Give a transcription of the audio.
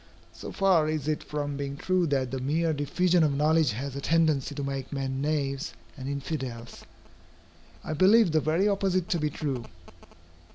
So far is it from being true that the mere diffusion of knowledge has a tendency to make men knaves and infidels, I believe the very opposite to be true.